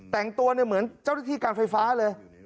แต่งตัวเนี่ยเหมือนเจ้าหน้าที่การไฟฟ้าเลย